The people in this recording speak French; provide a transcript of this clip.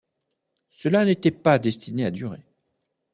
Cela n'était pas destiné à durer.